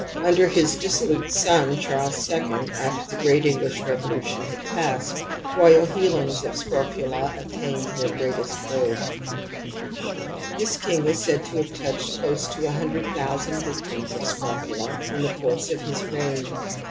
Under his dissolute son Charles II, after the great EngUsh revolution had passed, royal healings of scrofula attained their greatest vogue. This king is said to have touched close to a hundred thousand victims of scrofula in the course of his reign.